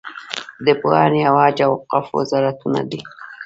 د پوهنې او حج او اوقافو وزارتونه دي.